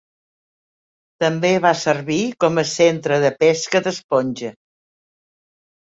També va servir com a centre de pesca d'esponja.